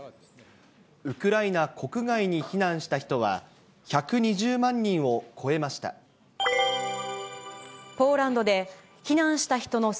ウクライナ国外に避難した人